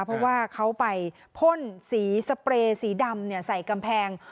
เพราะว่าเขาไปพ่นสีสเปรย์สีดำใส่กำแพง